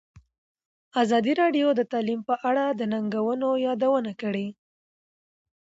ازادي راډیو د تعلیم په اړه د ننګونو یادونه کړې.